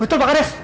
betul pak hades